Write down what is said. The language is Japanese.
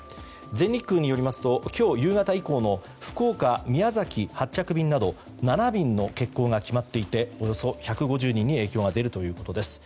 全日空によりますと今日夕方以降の福岡、宮崎発着便など７便の欠航が決まっていておよそ１５０人に影響が出るということです。